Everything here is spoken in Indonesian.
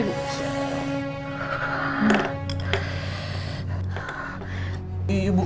ibu keselamatan aja ya